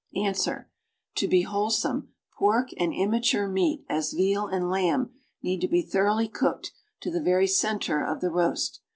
^ 85 Ans. To be wholesome, pork and immature meat, as veal and lamb, need to be thoroughly cooked to the very center of the roast.